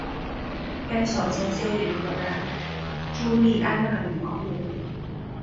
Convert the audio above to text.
该小行星以荷兰朱丽安娜女王命名。